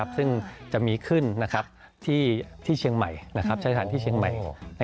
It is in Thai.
ซึ่งจะมีขึ้นที่เชียงใหม่ใช้สถานที่เชียงใหม่